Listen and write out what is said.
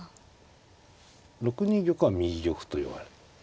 ６二玉は右玉といわれる。